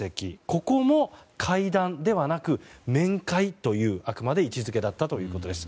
ここも会談ではなく面会というあくまで位置づけだったということです。